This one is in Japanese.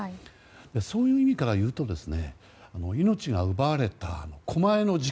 そういう意味からいうと命が奪われた狛江の事件